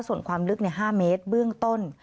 ส่วนความลึก๕เมตรเบื้องต้น